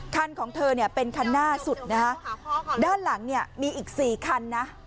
คันของเธอเป็นคันหน้าสุดด้านหลังนี้มีอีก๔ครั้งนะ